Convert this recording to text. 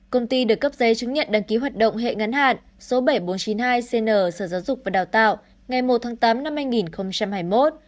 công ty được cấp giấy chứng nhận đăng ký hoạt động hệ ngắn hạn số bảy nghìn bốn trăm chín mươi hai cn sở giáo dục và đào tạo ngày một tháng tám năm hai nghìn hai mươi một